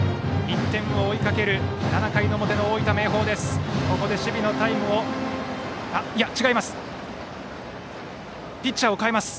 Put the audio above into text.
１点を追いかける７回の表の大分・明豊です。